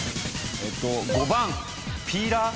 ５番ピーラー？